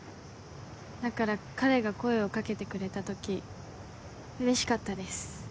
だから彼が声を掛けてくれた時うれしかったです。